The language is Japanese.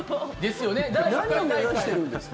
何を目指してるんですか？